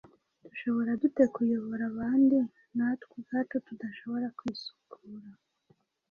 Dushobora dute kuyobora abandi natwe ubwacu tudashobora kwisukura